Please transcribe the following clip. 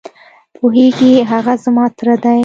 پوهېږې؟ هغه زما تره دی.